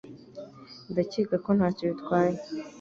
Ndakeka ko ntacyo bitwaye